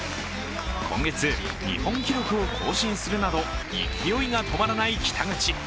今月、日本記録を更新するなど勢いが止まらない北口。